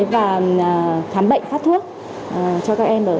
và thám bệnh phát thuốc cho các em ở trung tâm này